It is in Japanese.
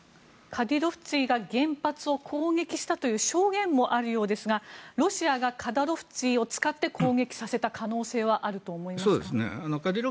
カディロフツィが原発を攻撃したという証言もあるようですがロシアがカディロフツィを使って攻撃させた可能性はあると思いますか。